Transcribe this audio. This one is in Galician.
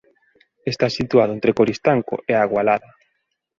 Está situado entre Coristanco e a Agualada.